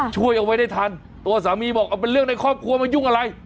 ช่วยเอาไว้ได้ทันตัวสามีบอกเอาเป็นเรื่องในครอบครัวมายุ่งอะไร